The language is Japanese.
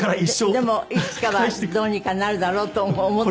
でもいつかはどうにかなるだろうとも思って。